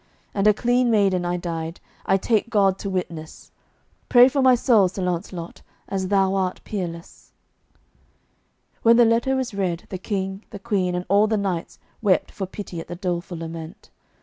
And a clean maiden I died, I take God to witness. Pray for my soul, Sir Launcelot, as thou art peerless." When the letter was read, the King, the Queen, and all the knights wept for pity at the doleful lament.